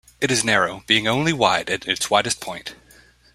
It is narrow, being only wide at its widest point.